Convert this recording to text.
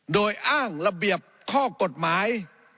โดยอ้างระเบียบข้อกฎหมาย